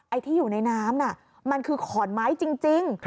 ที่อยู่ในน้ำน่ะมันคือขอนไม้จริง